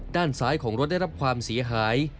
ด้านซ้ายของรถได้รับความเสียหาย